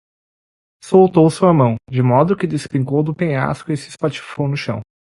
Soltou sua mão, de modo que despencou do penhasco e se espatifou no chão